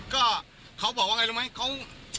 ก็เขาบอกว่าไงทุกคน